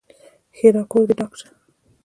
ښېرا: کور دې ډاک شه!